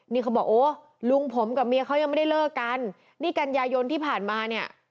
นี่เขาบอกโอ้ลุงผมกับเมียเขายังไม่ได้เลิกกันนี่กันยายนที่ผ่านมาเนี่ย